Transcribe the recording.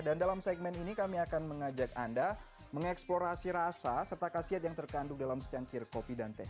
dalam segmen ini kami akan mengajak anda mengeksplorasi rasa serta kasiat yang terkandung dalam secangkir kopi dan teh